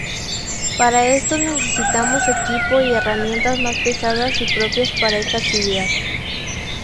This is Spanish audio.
Para esto necesitamos equipo y herramientas más pesadas y propias para esta actividad.